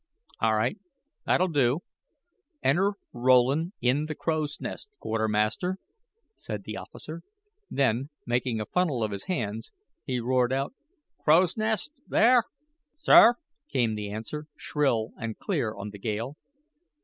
"All right that'll do. Enter Rowland in the crow's nest, quartermaster," said the officer; then, making a funnel of his hands, he roared out: "Crow's nest, there." "Sir," came the answer, shrill and clear on the gale.